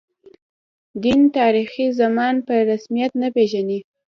دین، تاریخي زمان په رسمیت نه پېژني.